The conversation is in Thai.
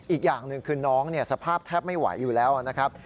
อีกอย่างหนึ่งคือน้องสภาพแทบไม่ไหวอยู่แล้วนะครับ